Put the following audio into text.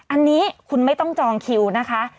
อันนี้คุณไม่ต้องจองคิวนะคะ